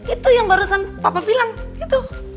itu yang barusan papa bilang gitu